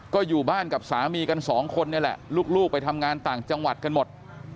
ก็อยู่บ้านกับสามีกันสองคนนี่แหละลูกไปทำงานต่างจังหวัดกันหมด